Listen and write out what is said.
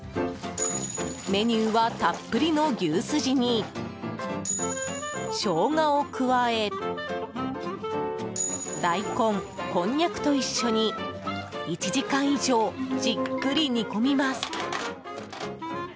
メニューは、たっぷりの牛すじにショウガを加え大根、こんにゃくと一緒に１時間以上じっくり煮込みます。